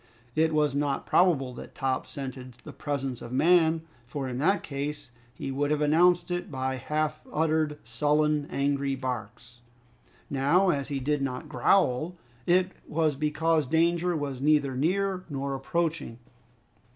It was not probable that Top scented the presence of man, for in that case, he would have announced it by half uttered, sullen, angry barks. Now, as he did not growl, it was because danger was neither near nor approaching.